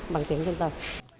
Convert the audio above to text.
bằng tiếng dân tộc